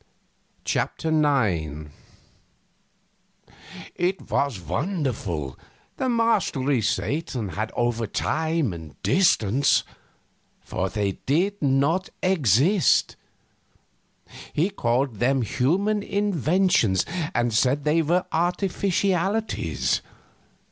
CHAPTER IX It was wonderful, the mastery Satan had over time and distance. For him they did not exist. He called them human inventions, and said they were artificialities.